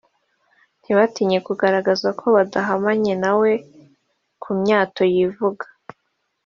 ntibatinye kugaragaza ko badahamanya na we ku myato yivuga